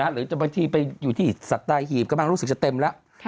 หรือบางทีไปอยู่ที่สัตหีบกำลังรู้สึกจะเต็มแล้ว